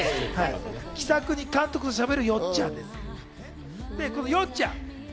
気さくに監督としゃべる、よっちゃんです。